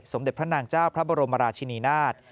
สมเด็จพระนางเจ้าพระบรมราชินีนาฏ